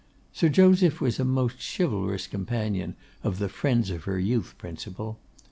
Sir Joseph was a most chivalrous champion of the 'friends of her youth' principle.